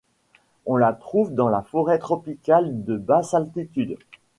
On la trouve dans la forêt tropicale de basse altitude.